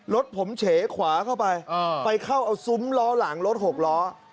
รถผมเฉขวาเข้าไปไปเข้าเอาซุ้มล้อหลังรถหกล้อ